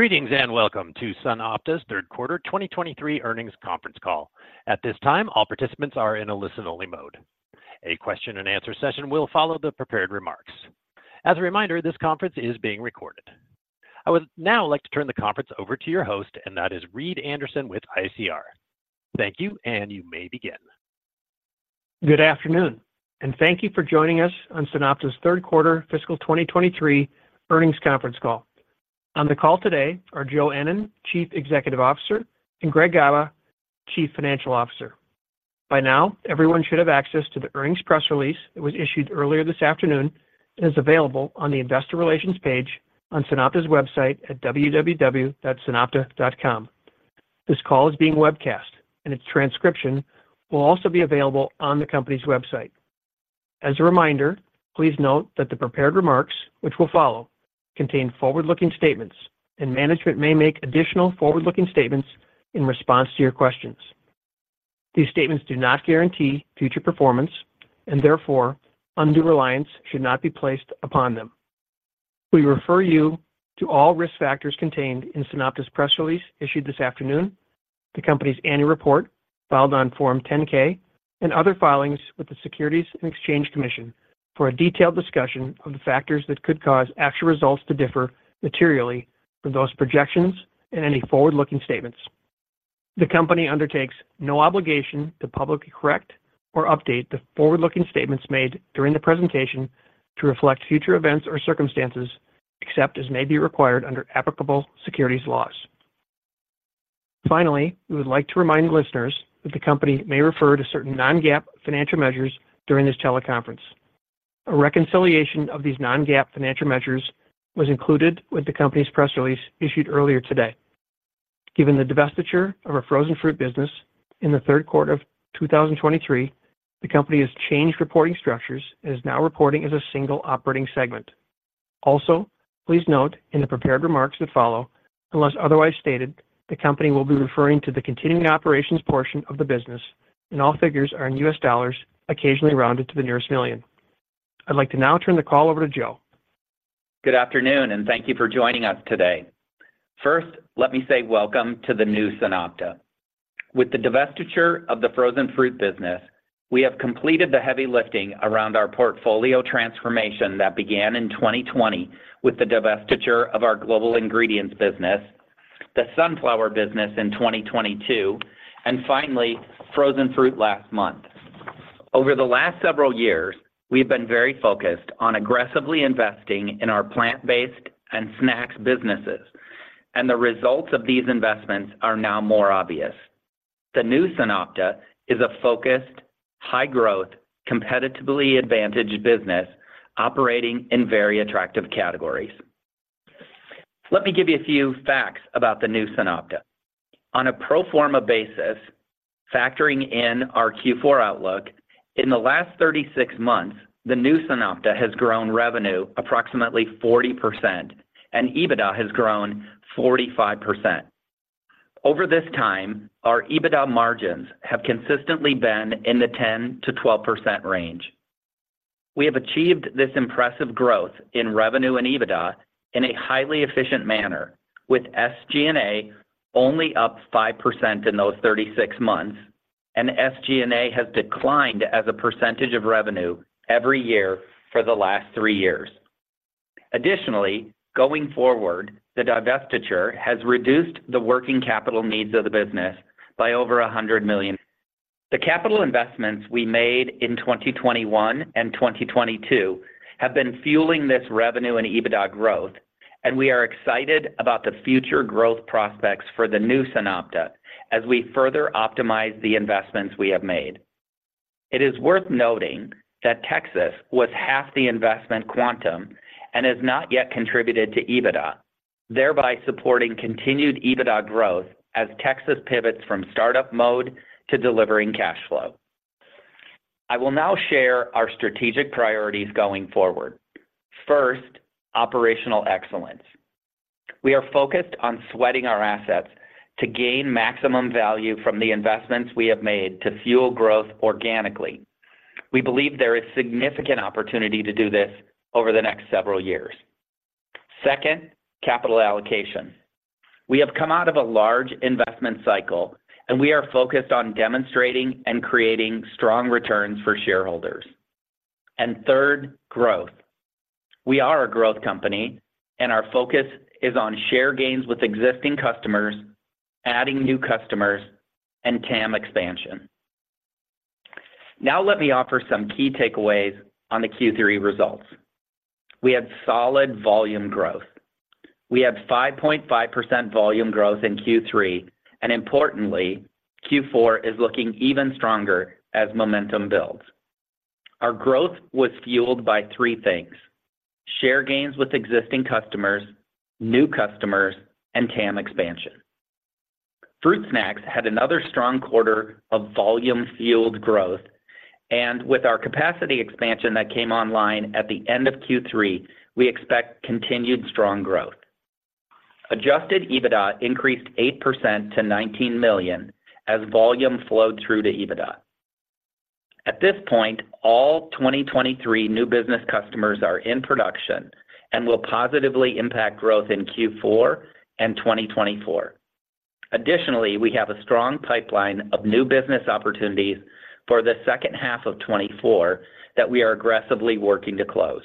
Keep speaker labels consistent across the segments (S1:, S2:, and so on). S1: Greetings, and welcome to SunOpta's third quarter 2023 earnings conference call. At this time, all participants are in a listen-only mode. A question and answer session will follow the prepared remarks. As a reminder, this conference is being recorded. I would now like to turn the conference over to your host, and that is Reed Anderson with ICR. Thank you, and you may begin.
S2: Good afternoon, and thank you for joining us on SunOpta's third quarter fiscal 2023 earnings conference call. On the call today are Joe Ennen, Chief Executive Officer, and Greg Gaba, Chief Financial Officer. By now, everyone should have access to the earnings press release that was issued earlier this afternoon and is available on the Investor Relations page on SunOpta's website at www.sunopta.com. This call is being webcast, and its transcription will also be available on the company's website. As a reminder, please note that the prepared remarks, which will follow, contain forward-looking statements, and management may make additional forward-looking statements in response to your questions. These statements do not guarantee future performance, and therefore, undue reliance should not be placed upon them. We refer you to all risk factors contained in SunOpta's press release issued this afternoon, the company's annual report filed on Form 10-K, and other filings with the Securities and Exchange Commission for a detailed discussion of the factors that could cause actual results to differ materially from those projections and any forward-looking statements. The company undertakes no obligation to publicly correct or update the forward-looking statements made during the presentation to reflect future events or circumstances, except as may be required under applicable securities laws. Finally, we would like to remind listeners that the company may refer to certain non-GAAP financial measures during this teleconference. A reconciliation of these non-GAAP financial measures was included with the company's press release issued earlier today. Given the divestiture of our frozen fruit business in the third quarter of 2023, the company has changed reporting structures and is now reporting as a single operating segment. Also, please note in the prepared remarks that follow, unless otherwise stated, the company will be referring to the continuing operations portion of the business, and all figures are in U.S. dollars, occasionally rounded to the nearest million. I'd like to now turn the call over to Joe.
S3: Good afternoon, and thank you for joining us today. First, let me say welcome to the new SunOpta. With the divestiture of the frozen fruit business, we have completed the heavy lifting around our portfolio transformation that began in 2020 with the divestiture of our global ingredients business, the sunflower business in 2022, and finally, frozen fruit last month. Over the last several years, we've been very focused on aggressively investing in our plant-based and snacks businesses, and the results of these investments are now more obvious. The new SunOpta is a focused, high-growth, competitively advantaged business operating in very attractive categories. Let me give you a few facts about the new SunOpta. On a pro forma basis, factoring in our Q4 outlook, in the last 36 months, the new SunOpta has grown revenue approximately 40%, and EBITDA has grown 45%. Over this time, our EBITDA margins have consistently been in the 10%-12% range. We have achieved this impressive growth in revenue and EBITDA in a highly efficient manner, with SG&A only up 5% in those 36 months, and SG&A has declined as a percentage of revenue every year for the last three years. Additionally, going forward, the divestiture has reduced the working capital needs of the business by over $100 million. The capital investments we made in 2021 and 2022 have been fueling this revenue and EBITDA growth, and we are excited about the future growth prospects for the new SunOpta as we further optimize the investments we have made. It is worth noting that Texas was half the investment quantum and has not yet contributed to EBITDA, thereby supporting continued EBITDA growth as Texas pivots from startup mode to delivering cash flow. I will now share our strategic priorities going forward. First, operational excellence. We are focused on sweating our assets to gain maximum value from the investments we have made to fuel growth organically. We believe there is significant opportunity to do this over the next several years. Second, capital allocation. We have come out of a large investment cycle, and we are focused on demonstrating and creating strong returns for shareholders. And third, growth. We are a growth company, and our focus is on share gains with existing customers, adding new customers, and TAM expansion. Now let me offer some key takeaways on the Q3 results. We had solid volume growth. We had 5.5% volume growth in Q3, and importantly, Q4 is looking even stronger as momentum builds. Our growth was fueled by three things: share gains with existing customers, new customers, and TAM expansion. Fruit snacks had another strong quarter of volume-fueled growth, and with our capacity expansion that came online at the end of Q3, we expect continued strong growth. Adjusted EBITDA increased 8% to $19 million as volume flowed through to EBITDA. At this point, all 2023 new business customers are in production and will positively impact growth in Q4 and 2024. Additionally, we have a strong pipeline of new business opportunities for the second half of 2024 that we are aggressively working to close.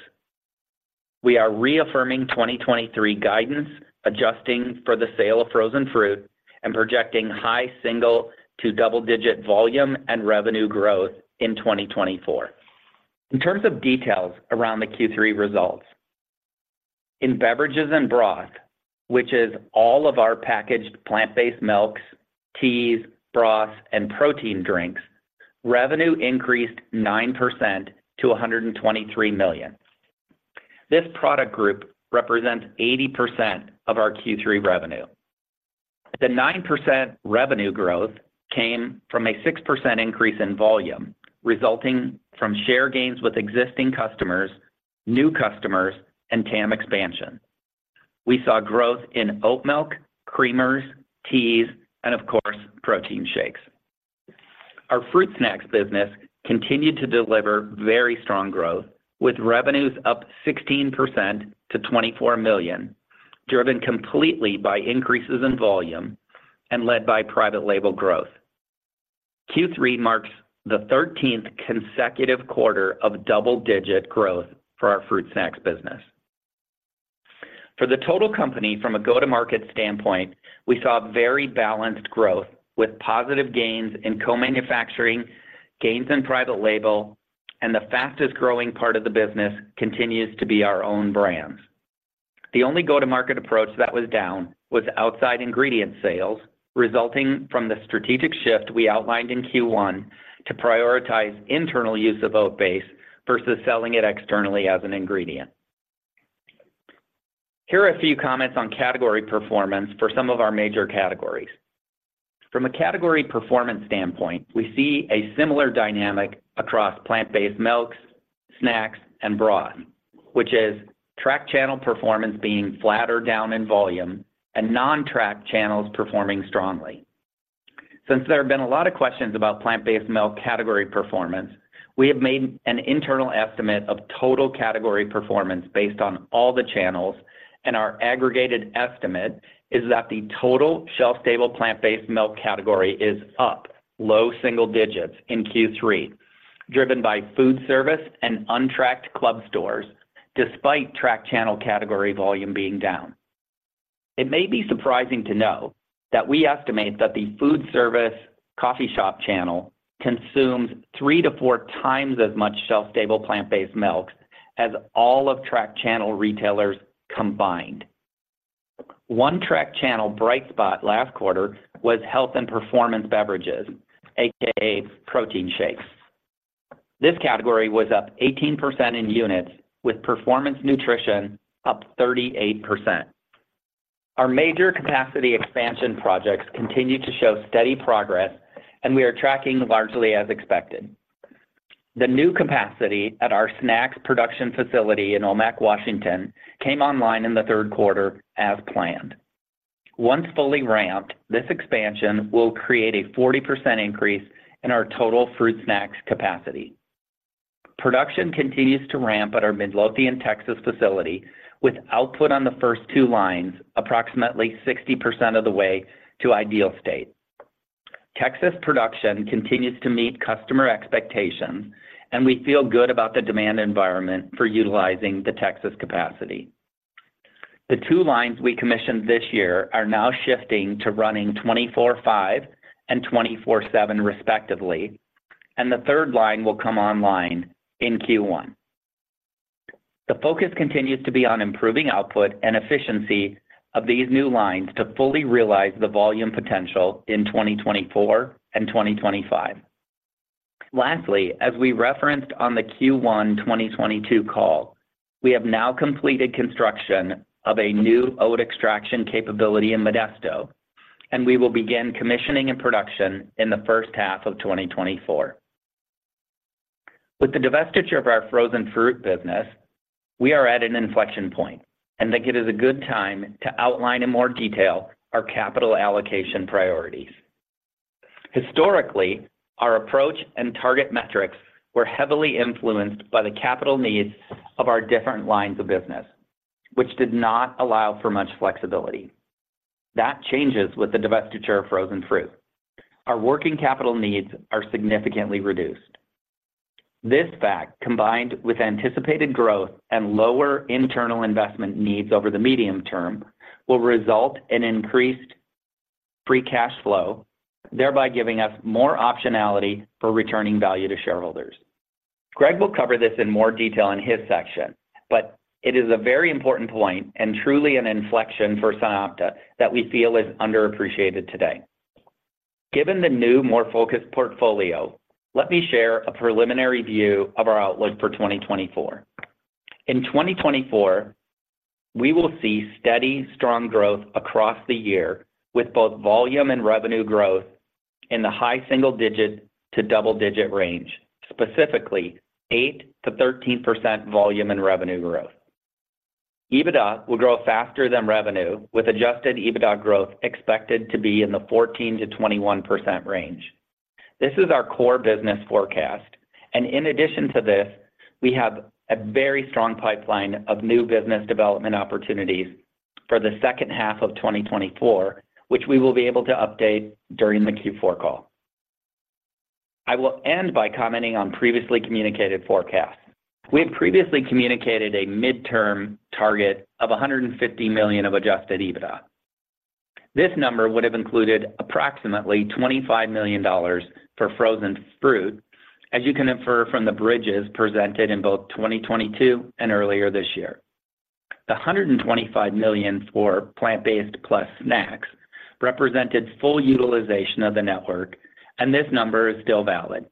S3: We are reaffirming 2023 guidance, adjusting for the sale of frozen fruit and projecting high single- to double-digit volume and revenue growth in 2024. In terms of details around the Q3 results, in beverages and broth, which is all of our packaged plant-based milks, teas, broths, and protein drinks, revenue increased 9% to $123 million. This product group represents 80% of our Q3 revenue. The 9% revenue growth came from a 6% increase in volume, resulting from share gains with existing customers, new customers, and TAM expansion. We saw growth in oat milk, creamers, teas, and of course, protein shakes. Our fruit snacks business continued to deliver very strong growth, with revenues up 16% to $24 million, driven completely by increases in volume and led by private label growth. Q3 marks the 13th consecutive quarter of double-digit growth for our fruit snacks business. For the total company, from a go-to-market standpoint, we saw very balanced growth, with positive gains in co-manufacturing, gains in private label, and the fastest-growing part of the business continues to be our own brands. The only go-to-market approach that was down was outside ingredient sales, resulting from the strategic shift we outlined in Q1 to prioritize internal use of oat base versus selling it externally as an ingredient. Here are a few comments on category performance for some of our major categories. From a category performance standpoint, we see a similar dynamic across plant-based milks, snacks, and broth, which is track channel performance being flat or down in volume and non-tracked channels performing strongly. Since there have been a lot of questions about plant-based milk category performance, we have made an internal estimate of total category performance based on all the channels, and our aggregated estimate is that the total shelf-stable plant-based milk category is up low single digits in Q3, driven by food service and untracked club stores, despite track channel category volume being down. It may be surprising to know that we estimate that the food service coffee shop channel consumes three to four times as much shelf-stable plant-based milk as all of Track Channel retailers combined. One Track Channel bright spot last quarter was health and performance beverages, aka protein shakes. This category was up 18% in units, with performance nutrition up 38%. Our major capacity expansion projects continue to show steady progress, and we are tracking largely as expected. The new capacity at our snacks production facility in Omak, Washington, came online in the third quarter as planned. Once fully ramped, this expansion will create a 40% increase in our total fruit snacks capacity. Production continues to ramp at our Midlothian, Texas, facility, with output on the first two lines, approximately 60% of the way to ideal state. Texas production continues to meet customer expectations, and we feel good about the demand environment for utilizing the Texas capacity. The two lines we commissioned this year are now shifting to running 24/5 and 24/7, respectively, and the third line will come online in Q1. The focus continues to be on improving output and efficiency of these new lines to fully realize the volume potential in 2024 and 2025. Lastly, as we referenced on the Q1 2022 call, we have now completed construction of a new oat extraction capability in Modesto, and we will begin commissioning and production in the first half of 2024. With the divestiture of our frozen fruit business, we are at an inflection point and think it is a good time to outline in more detail our capital allocation priorities. Historically, our approach and target metrics were heavily influenced by the capital needs of our different lines of business, which did not allow for much flexibility. That changes with the divestiture of frozen fruit. Our working capital needs are significantly reduced. This fact, combined with anticipated growth and lower internal investment needs over the medium term, will result in increased free cash flow, thereby giving us more optionality for returning value to shareholders. Greg will cover this in more detail in his section, but it is a very important point and truly an inflection for SunOpta that we feel is underappreciated today. Given the new, more focused portfolio, let me share a preliminary view of our outlook for 2024. In 2024, we will see steady, strong growth across the year, with both volume and revenue growth in the high single-digit to double-digit range, specifically 8%-13% volume and revenue growth. Adjusted EBITDA will grow faster than revenue, with Adjusted EBITDA growth expected to be in the 14%-21% range. This is our core business forecast, and in addition to this, we have a very strong pipeline of new business development opportunities for the second half of 2024, which we will be able to update during the Q4 call. I will end by commenting on previously communicated forecasts. We had previously communicated a midterm target of $150 million of Adjusted EBITDA. This number would have included approximately $25 million for frozen fruit, as you can infer from the bridges presented in both 2022 and earlier this year. The $125 million for plant-based plus snacks represented full utilization of the network, and this number is still valid.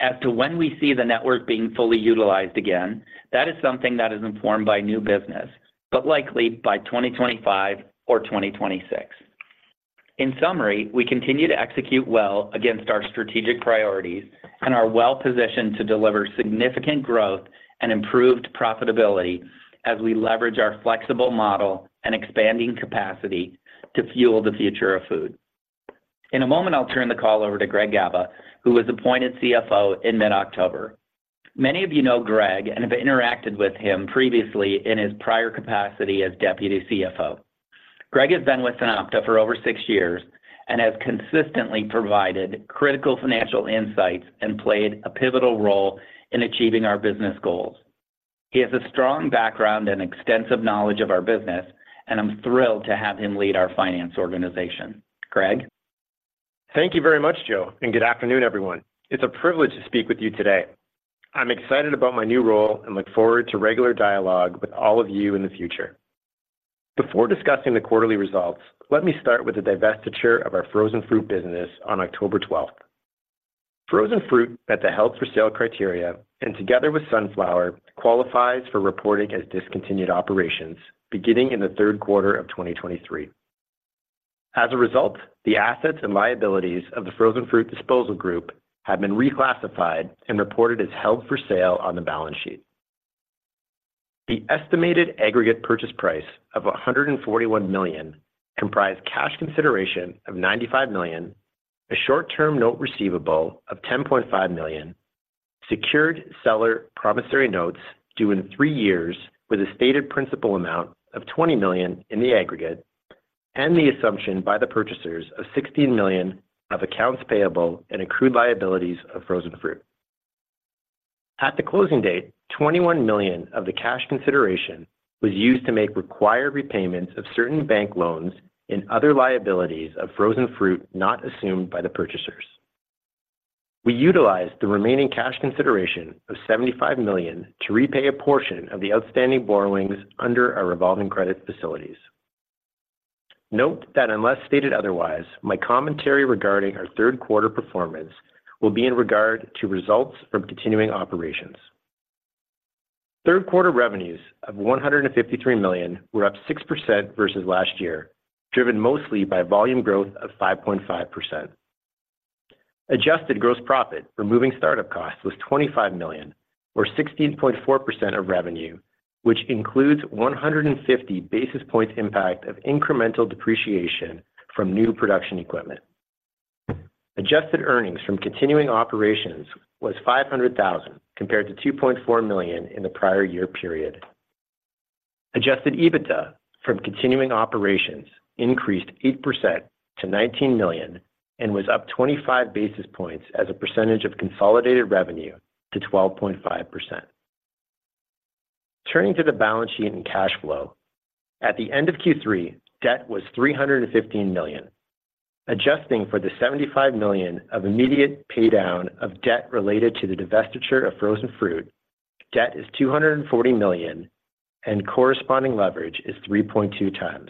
S3: As to when we see the network being fully utilized again, that is something that is informed by new business, but likely by 2025 or 2026. In summary, we continue to execute well against our strategic priorities and are well positioned to deliver significant growth and improved profitability as we leverage our flexible model and expanding capacity to fuel the future of food. In a moment, I'll turn the call over to Greg Gaba, who was appointed CFO in mid-October. Many of you know Greg and have interacted with him previously in his prior capacity as Deputy CFO. Greg has been with SunOpta for over six years and has consistently provided critical financial insights and played a pivotal role in achieving our business goals. He has a strong background and extensive knowledge of our business, and I'm thrilled to have him lead our finance organization. Greg?
S4: Thank you very much, Joe, and good afternoon, everyone. It's a privilege to speak with you today. I'm excited about my new role and look forward to regular dialogue with all of you in the future. Before discussing the quarterly results, let me start with the divestiture of our frozen fruit business on October 12th. Frozen fruit met the Held-for-Sale criteria and together with Sunflower, qualifies for reporting as discontinued operations beginning in the third quarter of 2023. As a result, the assets and liabilities of the frozen fruit disposal group have been reclassified and reported as Held-for-Sale on the balance sheet. The estimated aggregate purchase price of $141 million comprised cash consideration of $95 million, a short-term note receivable of $10.5 million, secured seller promissory notes due in three years with a stated principal amount of $20 million in the aggregate, and the assumption by the purchasers of $16 million of accounts payable and accrued liabilities of frozen fruit. At the closing date, $21 million of the cash consideration was used to make required repayments of certain bank loans and other liabilities of frozen fruit not assumed by the purchasers. We utilized the remaining cash consideration of $75 million to repay a portion of the outstanding borrowings under our revolving credit facilities. Note that unless stated otherwise, my commentary regarding our third quarter performance will be in regard to results from continuing operations. Third quarter revenues of $153 million were up 6% versus last year, driven mostly by volume growth of 5.5%. Adjusted gross profit, removing startup costs, was $25 million, or 16.4% of revenue, which includes 150 basis points impact of incremental depreciation from new production equipment. Adjusted earnings from continuing operations was $500,000, compared to $2.4 million in the prior year period. Adjusted EBITDA from continuing operations increased 8% to $19 million and was up 25 basis points as a percentage of consolidated revenue to 12.5%. Turning to the balance sheet and cash flow, at the end of Q3, debt was $315 million. Adjusting for the $75 million of immediate paydown of debt related to the divestiture of frozen fruit, debt is $240 million, and corresponding leverage is 3.2x.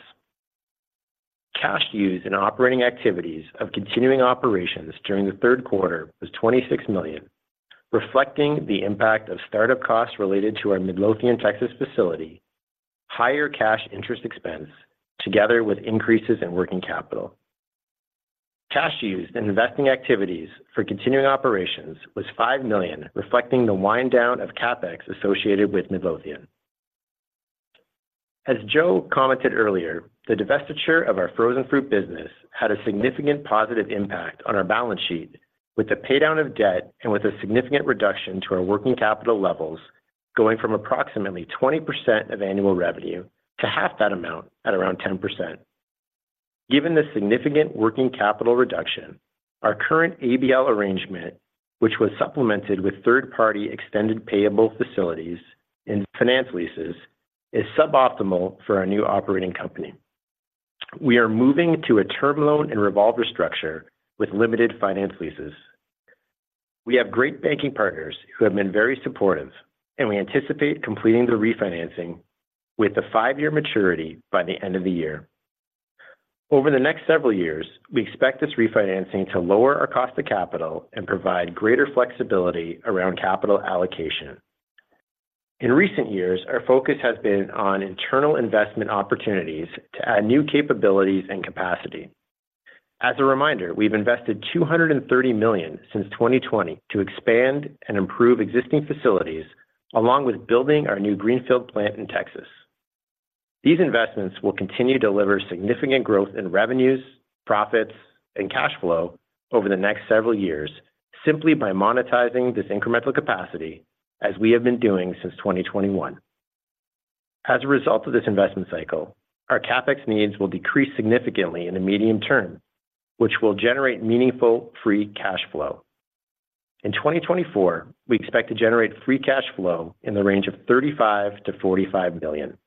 S4: Cash used in operating activities of continuing operations during the third quarter was $26 million, reflecting the impact of startup costs related to our Midlothian, Texas, facility, higher cash interest expense, together with increases in working capital. Cash used in investing activities for continuing operations was $5 million, reflecting the wind down of CapEx associated with Midlothian. As Joe commented earlier, the divestiture of our frozen fruit business had a significant positive impact on our balance sheet with the paydown of debt and with a significant reduction to our working capital levels, going from approximately 20% of annual revenue to half that amount at around 10%. Given the significant working capital reduction, our current ABL arrangement, which was supplemented with third-party extended payable facilities and finance leases, is suboptimal for our new operating company. We are moving to a term loan and revolver structure with limited finance leases. We have great banking partners who have been very supportive, and we anticipate completing the refinancing with a five-year maturity by the end of the year. Over the next several years, we expect this refinancing to lower our cost of capital and provide greater flexibility around capital allocation. In recent years, our focus has been on internal investment opportunities to add new capabilities and capacity. As a reminder, we've invested $230 million since 2020 to expand and improve existing facilities, along with building our new greenfield plant in Texas. These investments will continue to deliver significant growth in revenues, profits, and cash flow over the next several years, simply by monetizing this incremental capacity, as we have been doing since 2021. As a result of this investment cycle, our CapEx needs will decrease significantly in the medium term, which will generate meaningful free cash flow. In 2024, we expect to generate free cash flow in the range of $35-45 million.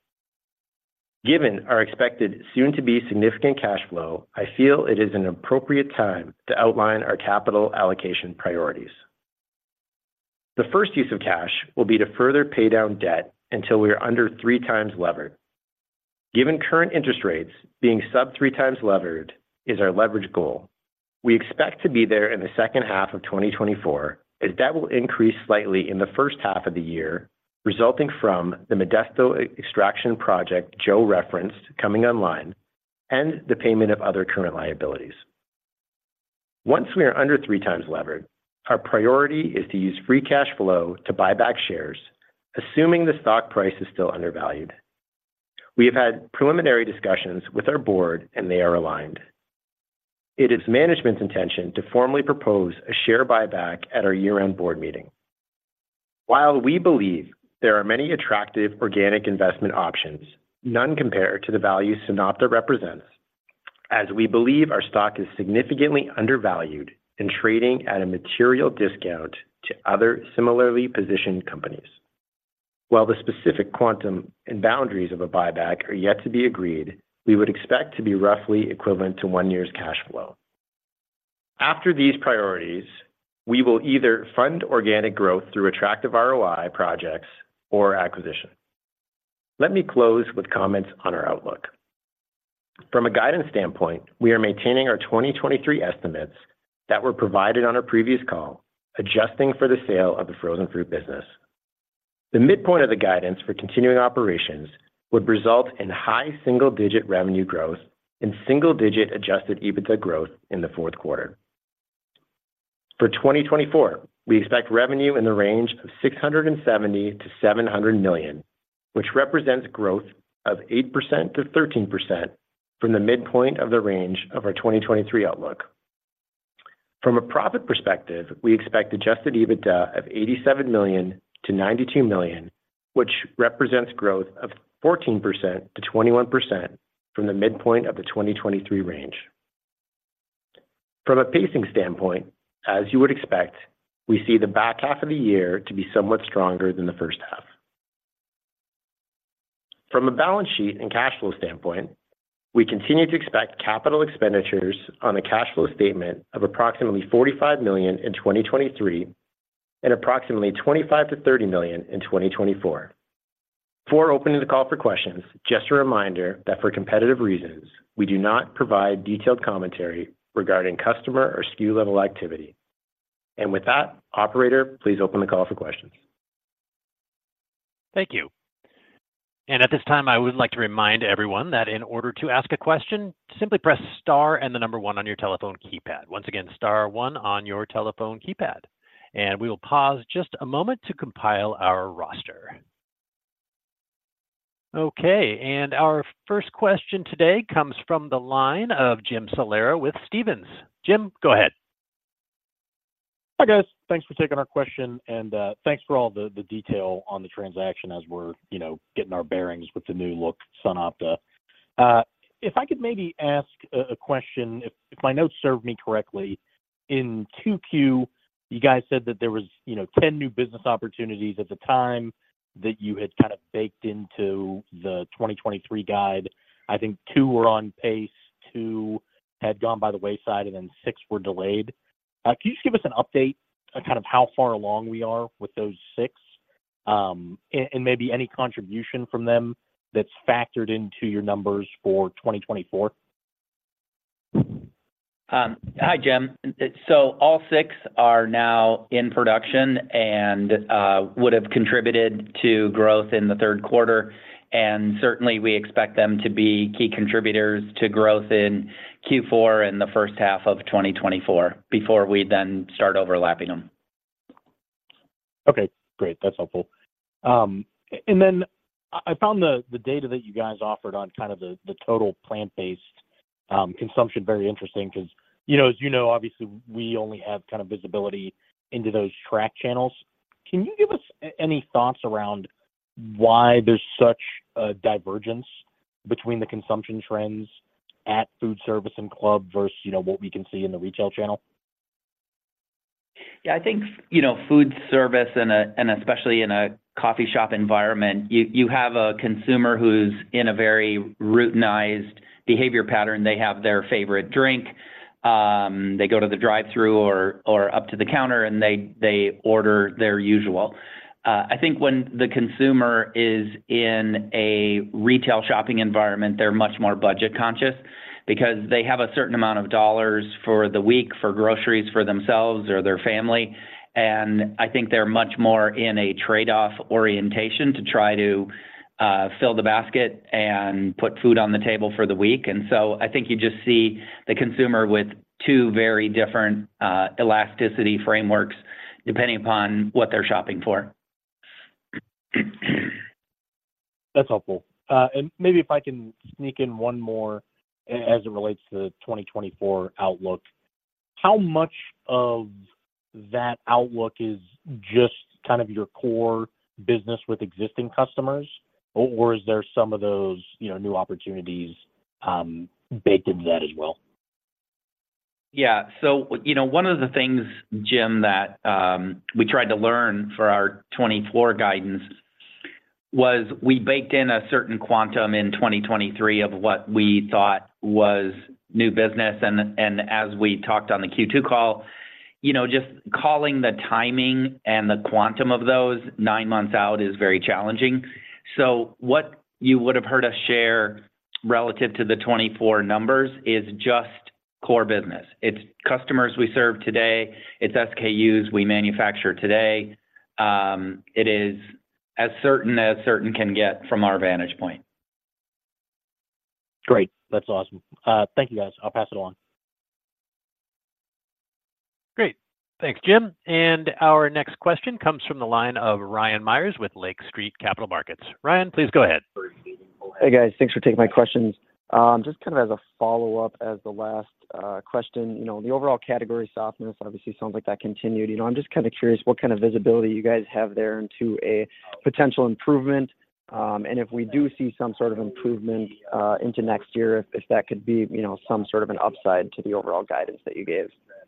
S4: Given our expected soon-to-be significant cash flow, I feel it is an appropriate time to outline our capital allocation priorities. The first use of cash will be to further pay down debt until we are under 3x levered. Given current interest rates, being sub-3x levered is our leverage goal. We expect to be there in the second half of 2024, as debt will increase slightly in the first half of the year, resulting from the Modesto extraction project Joe referenced coming online and the payment of other current liabilities. Once we are under 3x levered, our priority is to use free cash flow to buy back shares, assuming the stock price is still undervalued. We have had preliminary discussions with our board, and they are aligned. It is management's intention to formally propose a share buyback at our year-end board meeting. While we believe there are many attractive organic investment options, none compare to the value SunOpta represents, as we believe our stock is significantly undervalued and trading at a material discount to other similarly positioned companies. While the specific quantum and boundaries of a buyback are yet to be agreed, we would expect to be roughly equivalent to one year's cash flow. After these priorities, we will either fund organic growth through attractive ROI projects or acquisition. Let me close with comments on our outlook. From a guidance standpoint, we are maintaining our 2023 estimates that were provided on our previous call, adjusting for the sale of the frozen fruit business. The midpoint of the guidance for continuing operations would result in high single-digit revenue growth and single-digit Adjusted EBITDA growth in the fourth quarter. For 2024, we expect revenue in the range of $670-700 million, which represents growth of 8%-13% from the midpoint of the range of our 2023 outlook. From a profit perspective, we expect Adjusted EBITDA of $87-92 million, which represents growth of 14%-21% from the midpoint of the 2023 range. From a pacing standpoint, as you would expect, we see the back half of the year to be somewhat stronger than the first half. From a balance sheet and cash flow standpoint, we continue to expect capital expenditures on the cash flow statement of approximately $45 million in 2023 and approximately $25-30 million in 2024. Before opening the call for questions, just a reminder that for competitive reasons, we do not provide detailed commentary regarding customer or SKU level activity. And with that, operator, please open the call for questions.
S1: Thank you. And at this time, I would like to remind everyone that in order to ask a question, simply press star and the number one on your telephone keypad. Once again, star one on your telephone keypad. And we will pause just a moment to compile our roster. Okay, and our first question today comes from the line of Jim Salera with Stephens. Jim, go ahead.
S5: Hi, guys. Thanks for taking our question, and thanks for all the detail on the transaction as we're, you know, getting our bearings with the new look SunOpta. If I could maybe ask a question, if my notes serve me correctly, in 2Q, you guys said that there was, you know, 10 new business opportunities at the time that you had kind of baked into the 2023 guide. I think 2 were on pace, 2 had gone by the wayside, and then six were delayed. Can you just give us an update on kind of how far along we are with those six? And maybe any contribution from them that's factored into your numbers for 2024?
S3: Hi, Jim. So all six are now in production and would have contributed to growth in the third quarter, and certainly, we expect them to be key contributors to growth in Q4 and the first half of 2024 before we then start overlapping them.
S5: Okay, great. That's helpful. And then I found the data that you guys offered on kind of the total plant-based consumption very interesting because, you know, as you know, obviously, we only have kind of visibility into those track channels. Can you give us any thoughts around why there's such a divergence between the consumption trends at food service and club versus, you know, what we can see in the retail channel?
S3: Yeah, I think, you know, food service and especially in a coffee shop environment, you have a consumer who's in a very routinized behavior pattern. They have their favorite drink, they go to the drive-thru or up to the counter, and they order their usual. I think when the consumer is in a retail shopping environment, they're much more budget conscious because they have a certain amount of dollars for the week for groceries for themselves or their family, and I think they're much more in a trade-off orientation to try to fill the basket and put food on the table for the week. And so I think you just see the consumer with two very different elasticity frameworks, depending upon what they're shopping for.
S5: That's helpful. And maybe if I can sneak in one more as it relates to the 2024 outlook. How much of that outlook is just kind of your core business with existing customers, or is there some of those, you know, new opportunities baked into that as well?
S3: Yeah. So, you know, one of the things, Jim, that we tried to learn for our 2024 guidance was we baked in a certain quantum in 2023 of what we thought was new business. And as we talked on the Q2 call, you know, just calling the timing and the quantum of those nine months out is very challenging. So what you would have heard us share relative to the 2024 numbers is just core business. It's customers we serve today, it's SKUs we manufacture today. It is as certain as certain can get from our vantage point.
S5: Great. That's awesome. Thank you, guys. I'll pass it on.
S1: Great. Thanks, Jim. Our next question comes from the line of Ryan Meyers with Lake Street Capital Markets. Ryan, please go ahead.
S6: Hey, guys. Thanks for taking my questions. Just kind of as a follow-up, as the last question, you know, the overall category softness obviously sounds like that continued. You know, I'm just kind of curious what kind of visibility you guys have there into a potential improvement, and if we do see some sort of improvement into next year, if that could be, you know, some sort of an upside to the overall guidance that you gave?
S3: Yeah.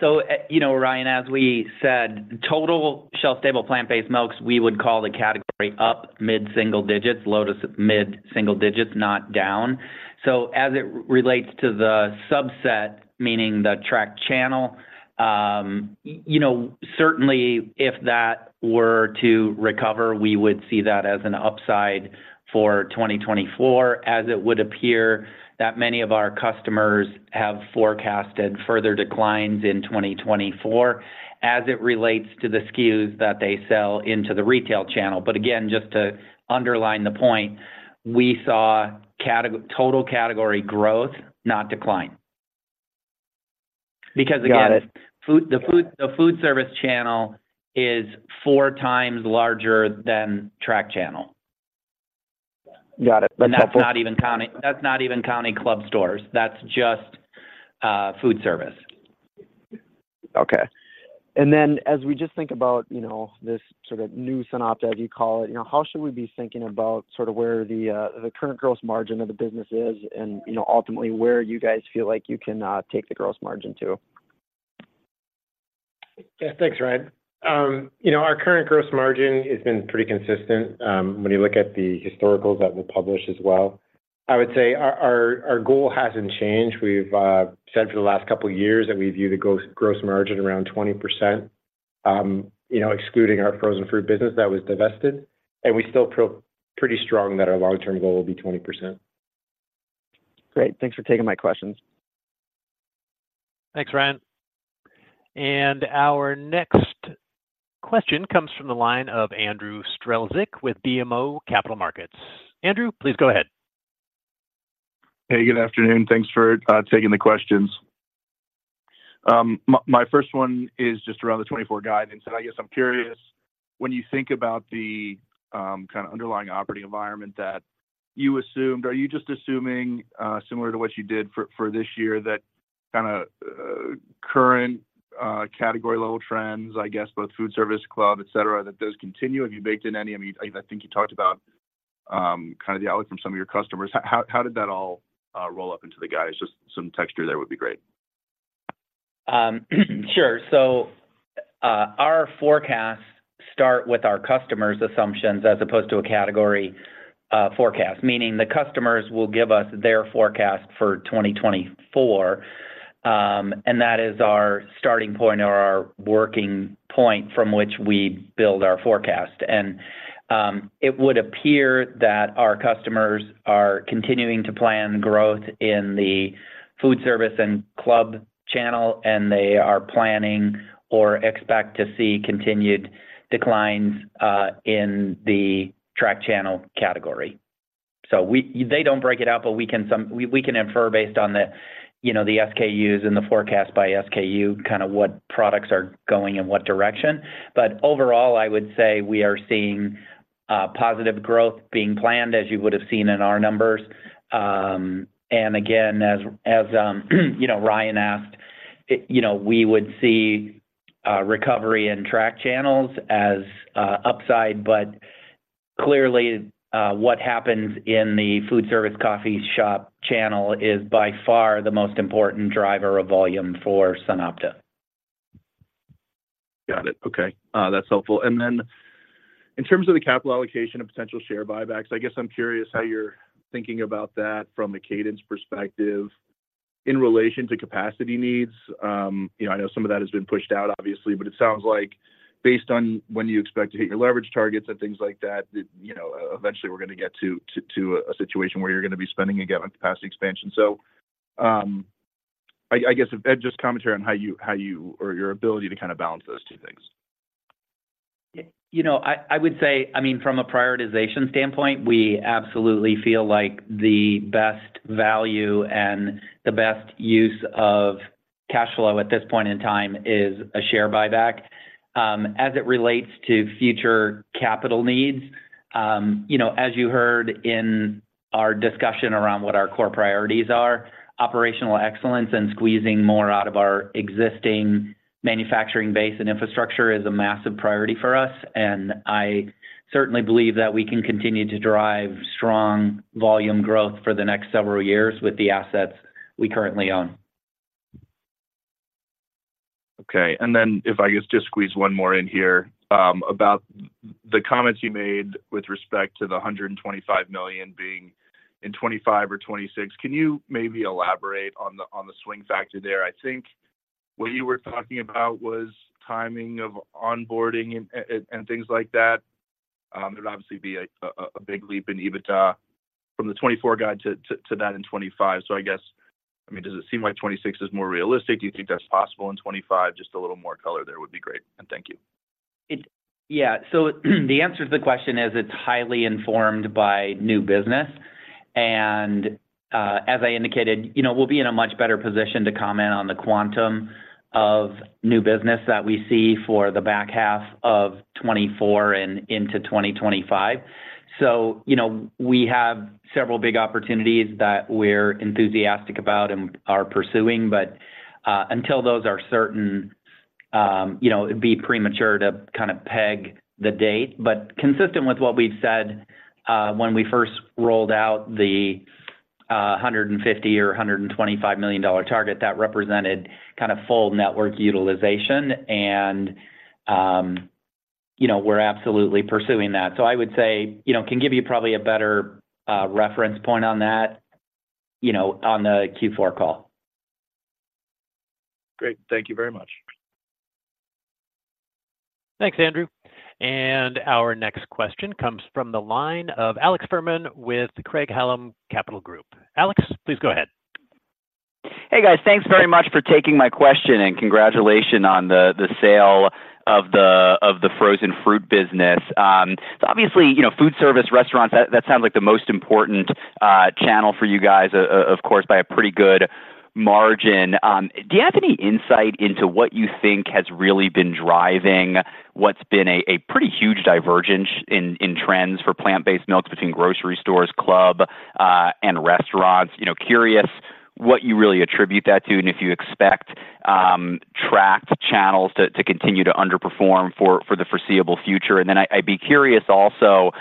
S3: So, you know, Ryan, as we said, total shelf-stable plant-based milks, we would call the category up mid-single digits, low to mid-single digits, not down. So as it relates to the subset, meaning the Track Channel, you know, certainly if that were to recover, we would see that as an upside for 2024, as it would appear that many of our customers have forecasted further declines in 2024 as it relates to the SKUs that they sell into the retail channel. But again, just to underline the point, we saw total category growth, not decline. Because again-
S6: Got it...
S3: the food service channel is four times larger than Track Channel.
S6: Got it.
S3: That's not even counting, that's not even counting club stores. That's just food service.
S6: Okay. And then as we just think about, you know, this sort of new SunOpta as you call it, you know, how should we be thinking about sort of where the current gross margin of the business is and, you know, ultimately, where you guys feel like you can take the gross margin to?
S4: Yeah, thanks, Ryan. You know, our current gross margin has been pretty consistent when you look at the historicals that we published as well. I would say our goal hasn't changed. We've said for the last couple of years that we view the gross margin around 20%, you know, excluding our frozen fruit business that was divested, and we still feel pretty strong that our long-term goal will be 20%.
S6: Great. Thanks for taking my questions.
S1: Thanks, Ryan. Our next question comes from the line of Andrew Strelzik with BMO Capital Markets. Andrew, please go ahead.
S7: Hey, good afternoon. Thanks for taking the questions. My first one is just around the 2024 guidance, and I guess I'm curious, when you think about the kind of underlying operating environment that you assumed, are you just assuming similar to what you did for this year, that kind of current category level trends, I guess, both food service, club, etc., that those continue? Have you baked in any... I mean, I think you talked about kind of the outlook from some of your customers. How did that all roll up into the guidance? Just some texture there would be great.
S3: Sure. So, our forecasts start with our customers' assumptions as opposed to a category forecast. Meaning the customers will give us their forecast for 2024, and that is our starting point or our working point from which we build our forecast. It would appear that our customers are continuing to plan growth in the food service and club channel, and they are planning or expect to see continued declines in the track channel category. So they don't break it out, but we can infer based on the, you know, the SKUs and the forecast by SKU, kind of what products are going in what direction. But overall, I would say we are seeing positive growth being planned, as you would have seen in our numbers. And again, as you know, Ryan asked, you know, we would see recovery in track channels as upside, but clearly, what happens in the food service coffee shop channel is by far the most important driver of volume for SunOpta.
S7: Got it. Okay. That's helpful. And then in terms of the capital allocation of potential share buybacks, I guess I'm curious how you're thinking about that from a cadence perspective in relation to capacity needs. You know, I know some of that has been pushed out, obviously, but it sounds like based on when you expect to hit your leverage targets and things like that, that you know, eventually we're going to get to a situation where you're going to be spending again on capacity expansion. So, I guess, if Ed, just commentary on how you or your ability to kind of balance those two things.
S3: Yeah, you know, I would say, I mean, from a prioritization standpoint, we absolutely feel like the best value and the best use of cash flow at this point in time is a share buyback. As it relates to future capital needs, you know, as you heard in our discussion around what our core priorities are, operational excellence and squeezing more out of our existing manufacturing base and infrastructure is a massive priority for us. And I certainly believe that we can continue to drive strong volume growth for the next several years with the assets we currently own.
S7: Okay. Then if I just squeeze one more in here, about the comments you made with respect to the $125 million being in 2025 or 2026, can you maybe elaborate on the swing factor there? I think what you were talking about was timing of onboarding and things like that. It would obviously be a big leap in EBITDA from the 2024 guide to that in 2025. I guess, I mean, does it seem like 2026 is more realistic? Do you think that's possible in 2025? Just a little more color there would be great, and thank you.
S3: Yeah, so the answer to the question is it's highly informed by new business. As I indicated, you know, we'll be in a much better position to comment on the quantum of new business that we see for the back half of 2024 and into 2025. So, you know, we have several big opportunities that we're enthusiastic about and are pursuing, but until those are certain, you know, it'd be premature to kind of peg the date. Consistent with what we've said, when we first rolled out the $150 million or $125 million target, that represented kind of full network utilization. You know, we're absolutely pursuing that. So I would say, you know, can give you probably a better reference point on that, you know, on the Q4 call.
S7: Great. Thank you very much.
S1: Thanks, Andrew. Our next question comes from the line of Alex Fuhrman with the Craig-Hallum Capital Group. Alex, please go ahead.
S8: Hey, guys. Thanks very much for taking my question, and congratulations on the sale of the frozen fruit business. Obviously, you know, food service restaurants, that sounds like the most important channel for you guys, of course, by a pretty good margin. Do you have any insight into what you think has really been driving what's been a pretty huge divergence in trends for plant-based milks between grocery stores, club, and restaurants? You know, curious what you really attribute that to, and if you expect track channels to continue to underperform for the foreseeable future. And then I, I'd be curious also,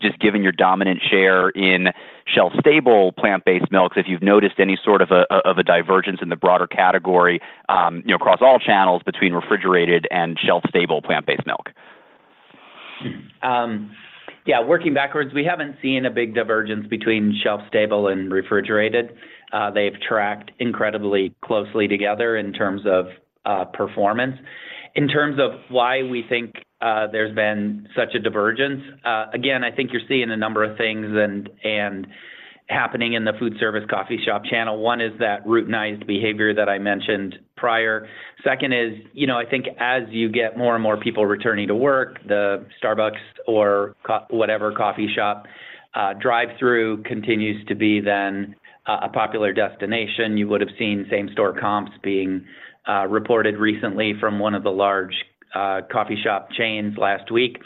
S8: just given your dominant share in shelf-stable plant-based milks, if you've noticed any sort of divergence in the broader category, you know, across all channels between refrigerated and shelf-stable plant-based milk.
S3: Yeah, working backwards, we haven't seen a big divergence between shelf-stable and refrigerated. They've tracked incredibly closely together in terms of performance. In terms of why we think there's been such a divergence, again, I think you're seeing a number of things and happening in the food service coffee shop channel. One is that routinized behavior that I mentioned prior. Second is, you know, I think as you get more and more people returning to work, the Starbucks or whatever coffee shop drive-through continues to be then a popular destination. You would have seen same-store comps being reported recently from one of the large coffee shop chains last week,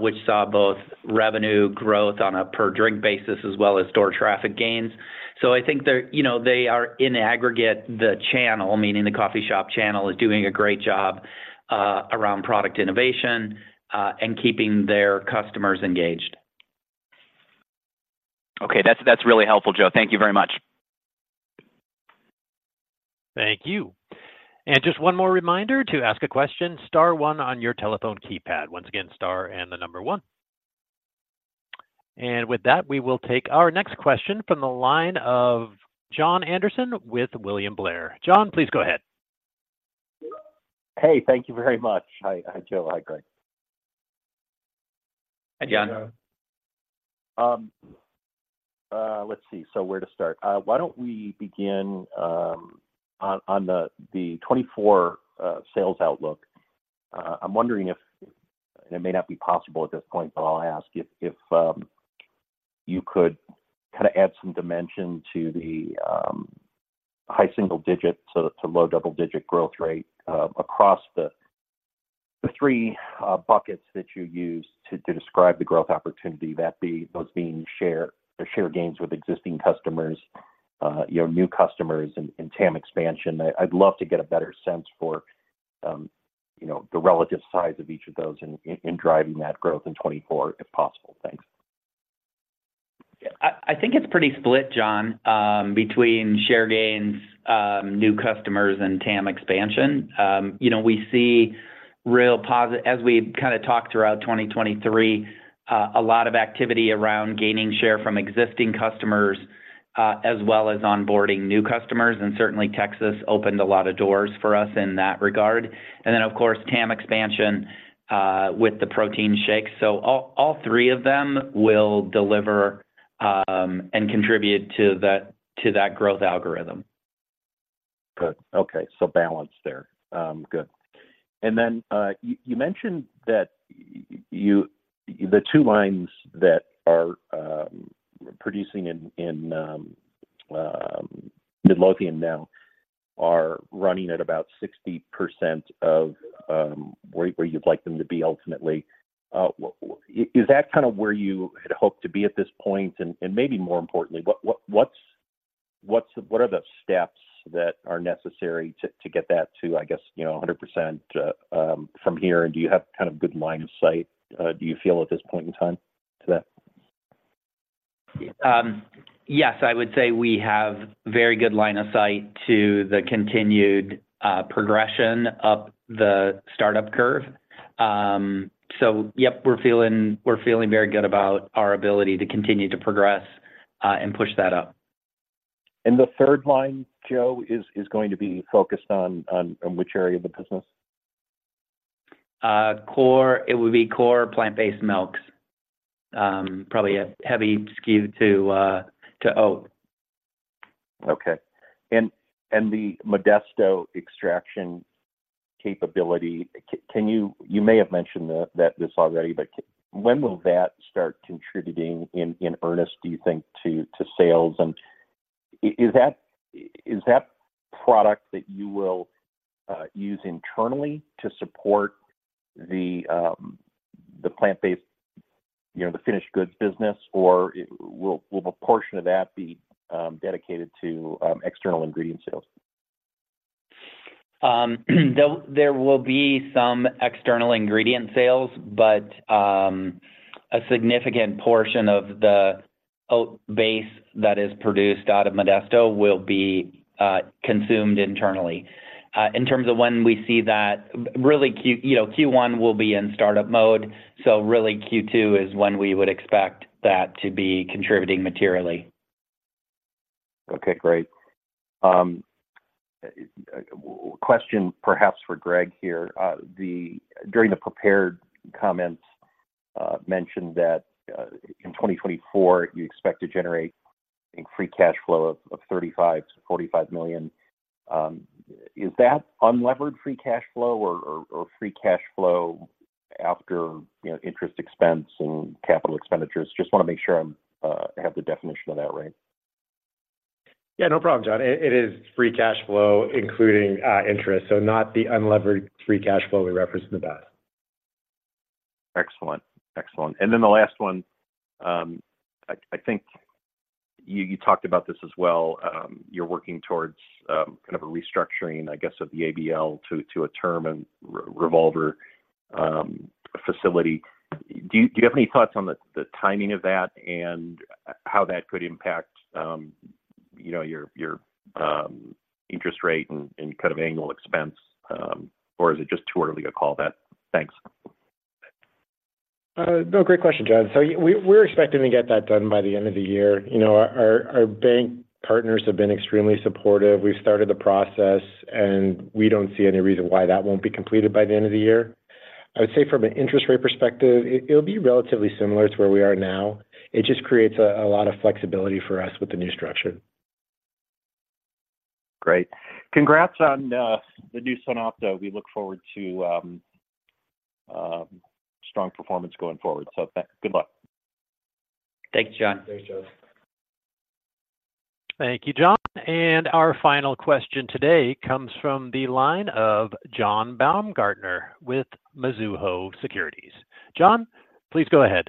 S3: which saw both revenue growth on a per drink basis as well as store traffic gains. So I think they're, you know, they are in aggregate, the channel, meaning the coffee shop channel, is doing a great job around product innovation and keeping their customers engaged.
S8: Okay. That's, that's really helpful, Joe. Thank you very much.
S1: Thank you. Just one more reminder to ask a question, star one on your telephone keypad. Once again, star and the number one. With that, we will take our next question from the line of Jon Anderson with William Blair. Jon, please go ahead.
S9: Hey, thank you very much. Hi, Joe. Hi, Greg.
S3: Hi, Jon.
S9: Let's see. So where to start? Why don't we begin on the 2024 sales outlook? I'm wondering if, and it may not be possible at this point, but I'll ask if you could kind of add some dimension to the high single digits to low double-digit growth rate, across the three buckets that you use to describe the growth opportunity, that being, those being share, the share gains with existing customers, your new customers, and TAM expansion. I'd love to get a better sense for, you know, the relative size of each of those in driving that growth in 2024, if possible. Thanks.
S3: I think it's pretty split, Jon, between share gains, new customers, and TAM expansion. You know, we see real positive, as we kind of talked throughout 2023, a lot of activity around gaining share from existing customers, as well as onboarding new customers, and certainly Texas opened a lot of doors for us in that regard. And then, of course, TAM expansion, with the protein shakes. So all three of them will deliver, and contribute to that growth algorithm....
S9: Good. Okay, so balance there. Good. And then, you mentioned that the two lines that are producing in Midlothian now are running at about 60% of where you'd like them to be ultimately. Is that kind of where you had hoped to be at this point? And maybe more importantly, what are the steps that are necessary to get that to, I guess, you know, 100% from here? And do you have kind of good line of sight, do you feel at this point in time to that?
S3: Yes, I would say we have very good line of sight to the continued progression up the startup curve. So yep, we're feeling, we're feeling very good about our ability to continue to progress and push that up.
S9: The third line, Joe, is going to be focused on which area of the business?
S3: It would be core plant-based milks, probably a heavy skew to oat.
S9: Okay. And the Modesto extraction capability, can you—you may have mentioned that this already, but when will that start contributing in earnest, do you think, to sales? And is that product that you will use internally to support the plant-based, you know, the finished goods business, or will a portion of that be dedicated to external ingredient sales?
S3: There will be some external ingredient sales, but a significant portion of the oat base that is produced out of Modesto will be consumed internally. In terms of when we see that, really Q, you know, Q1 will be in startup mode, so really Q2 is when we would expect that to be contributing materially.
S9: Okay, great. Question perhaps for Greg here. During the prepared comments, mentioned that, in 2024, you expect to generate a free cash flow of $35-45 million. Is that unlevered free cash flow or free cash flow after, you know, interest expense and capital expenditures? Just want to make sure I have the definition of that right.
S4: Yeah, no problem, Jon. It, it is free cash flow, including interest, so not the unlevered free cash flow we referenced in the past.
S9: Excellent. Excellent. And then the last one, I think you talked about this as well. You're working towards kind of a restructuring, I guess, of the ABL to a term and revolver facility. Do you have any thoughts on the timing of that and how that could impact, you know, your interest rate and kind of annual expense? Or is it just too early to call that? Thanks.
S4: No, great question, Jon. So we're expecting to get that done by the end of the year. You know, our bank partners have been extremely supportive. We've started the process, and we don't see any reason why that won't be completed by the end of the year. I would say from an interest rate perspective, it'll be relatively similar to where we are now. It just creates a lot of flexibility for us with the new structure.
S9: Great. Congrats on the new SunOpta. We look forward to strong performance going forward. So good luck.
S3: Thanks, Jon.
S4: Thanks, Jon.
S1: Thank you, Jon. And our final question today comes from the line of John Baumgartner with Mizuho Securities. John, please go ahead.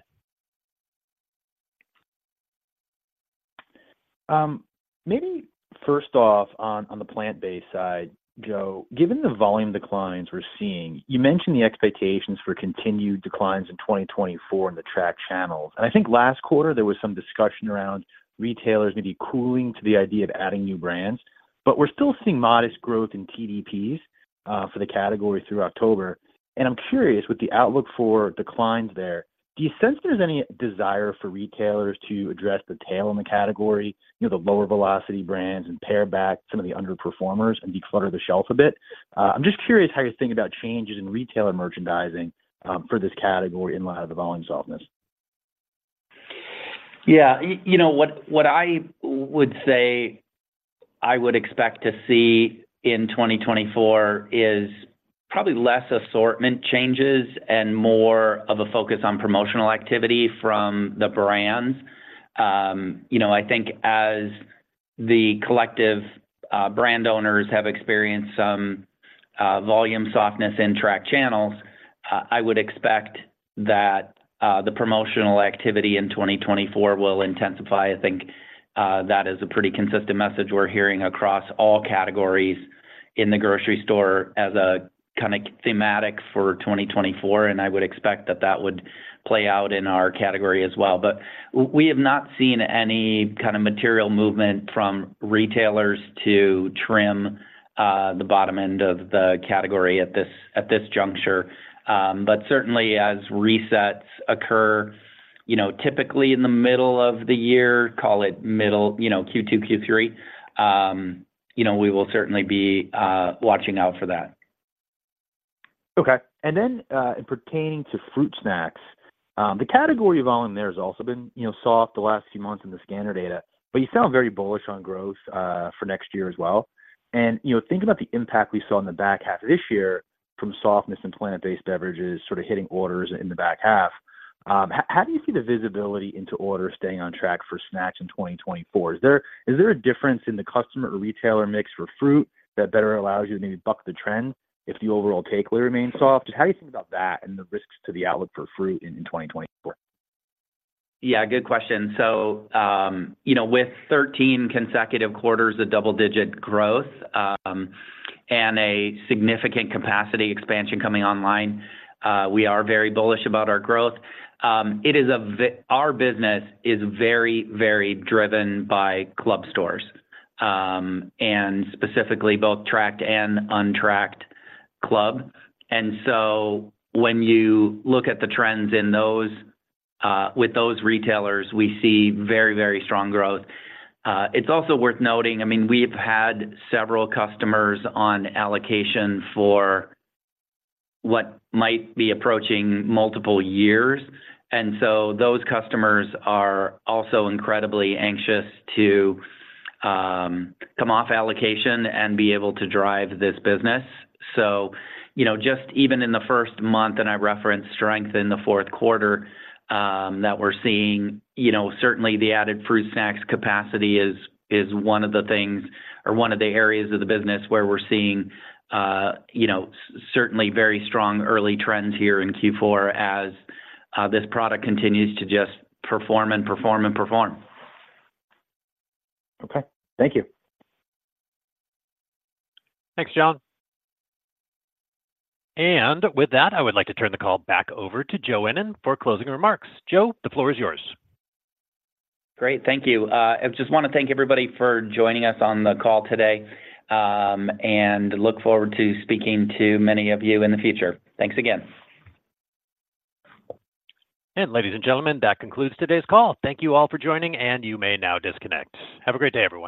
S10: Maybe first off on the plant-based side, Joe, given the volume declines we're seeing, you mentioned the expectations for continued declines in 2024 in the track channels. And I think last quarter there was some discussion around retailers maybe cooling to the idea of adding new brands. But we're still seeing modest growth in TDPs for the category through October. And I'm curious, with the outlook for declines there, do you sense there's any desire for retailers to address the tail in the category, you know, the lower velocity brands, and pare back some of the underperformers and declutter the shelf a bit? I'm just curious how you're thinking about changes in retailer merchandising for this category in light of the volume softness.
S3: Yeah, you know, what I would say I would expect to see in 2024 is probably less assortment changes and more of a focus on promotional activity from the brands. You know, I think as the collective brand owners have experienced some volume softness in track channels, I would expect that the promotional activity in 2024 will intensify. I think that is a pretty consistent message we're hearing across all categories in the grocery store as a kind of thematic for 2024, and I would expect that that would play out in our category as well. But we have not seen any kind of material movement from retailers to trim the bottom end of the category at this juncture. But certainly as resets occur, you know, typically in the middle of the year, call it middle, you know, Q2, Q3, you know, we will certainly be watching out for that. ...
S10: Okay, and then, in pertaining to fruit snacks, the category volume there has also been, you know, soft the last few months in the scanner data, but you sound very bullish on growth for next year as well. And, you know, thinking about the impact we saw in the back half of this year from softness and plant-based beverages sort of hitting orders in the back half, how do you see the visibility into orders staying on track for snacks in 2024? Is there a difference in the customer or retailer mix for fruit that better allows you to maybe buck the trend if the overall takeaway remains soft? How do you think about that and the risks to the outlook for fruit in 2024?
S3: Yeah, good question. So, you know, with 13 consecutive quarters of double-digit growth, and a significant capacity expansion coming online, we are very bullish about our growth. Our business is very, very driven by club stores, and specifically both tracked and untracked club. And so when you look at the trends in those, with those retailers, we see very, very strong growth. It's also worth noting, I mean, we've had several customers on allocation for what might be approaching multiple years, and so those customers are also incredibly anxious to come off allocation and be able to drive this business. So, you know, just even in the first month, and I referenced strength in the fourth quarter, that we're seeing, you know, certainly the added fruit snacks capacity is one of the things or one of the areas of the business where we're seeing, you know, certainly very strong early trends here in Q4 as this product continues to just perform and perform and perform.
S10: Okay. Thank you.
S1: Thanks, John. With that, I would like to turn the call back over to Joe Ennen for closing remarks. Joe, the floor is yours.
S3: Great, thank you. I just wanna thank everybody for joining us on the call today, and look forward to speaking to many of you in the future. Thanks again.
S1: Ladies and gentlemen, that concludes today's call. Thank you all for joining, and you may now disconnect. Have a great day, everyone.